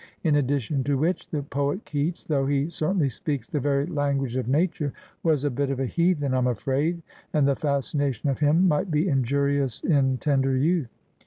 In addition to which, the poet Keats, though he certainly speaks the very language of Nature, was a bit of a heathen, I'm afraid, and the fascination of him might be injurious in tender youth.